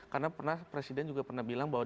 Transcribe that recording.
karena presiden juga pernah bilang bahwa